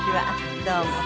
どうも。